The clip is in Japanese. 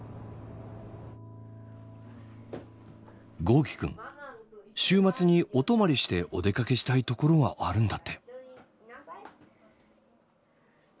豪輝くん週末にお泊まりしてお出かけしたい所があるんだって。